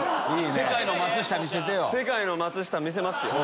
世界の松下見せますよ。